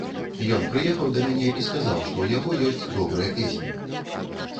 Ён прыехаў да мяне і сказаў, што ў яго ёсць добрая песня.